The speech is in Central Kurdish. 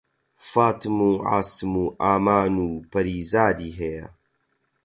فاتم و عاسم و ئامان و پەریزادی هەیە